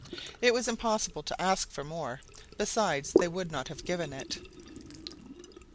It was impossible to ask for more; besides, they would not have given it.